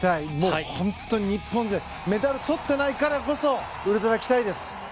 日本勢メダルをとっていないからこそウルトラ期待です。